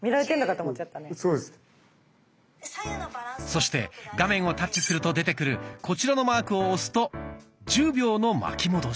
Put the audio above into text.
そして画面をタッチすると出てくるこちらのマークを押すと１０秒の巻き戻し。